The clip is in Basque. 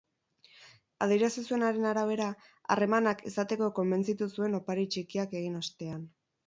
Adierazi zuenaren arabera, harremanak izateko konbentzitu zuen opari txikiak egin ostean.